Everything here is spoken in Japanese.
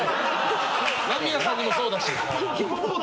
間宮さんにもそうだし。